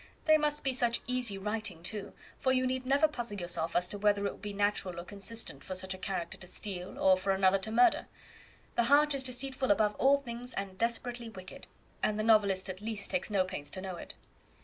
They must be such easy writing, too, for you need never puzzle yourself as to whether it would be natural or consistent for such a character to steal, or for another to murder. 'The heart is deceitful above all things, and desperately wicked,' and the novelist at least takes no pains to know it."